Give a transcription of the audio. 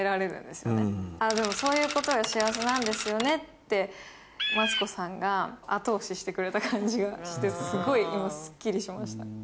そういうことが幸せなんですよねってマツコさんが後押ししてくれた感じがしてすごい今スッキリしました。